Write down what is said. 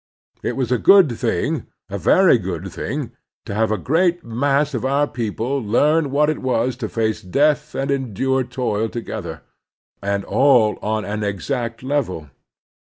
It was a good thing, a very good thing, to have a great mass of our people learn what it was to face death and endure toil together, and all on an exact level.